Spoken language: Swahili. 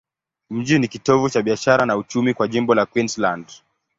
Mji ni kitovu cha biashara na uchumi kwa jimbo la Queensland.